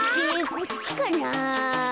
こっちかな？